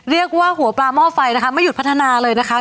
เรียกว่าหัวปลาหม้อไฟนะคะไม่หยุดพัฒนาเลยนะคะ